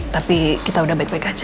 tapi kita udah baik baik aja